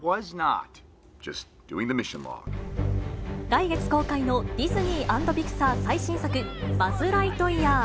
来月公開のディズニー＆ピクサー最新作、バズ・ライトイヤー。